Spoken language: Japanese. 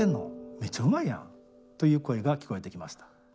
めっちゃうまいやん』という声が聞こえてきました。